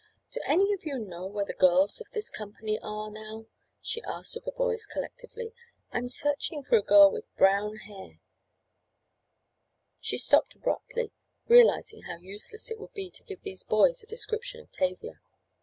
"Do any of you know where the girls of this company are now?" she asked of the boys collectively. "I am searching for a girl with brown hair—" She stopped abruptly, realizing how useless it would be to give these boys a description of Tavia.